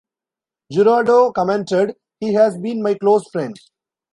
Jurado commented:: He has been my close friend.